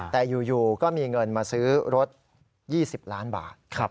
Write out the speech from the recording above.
แต่อยู่ก็มีเงินมาซื้อรถ๒๐ล้านบาท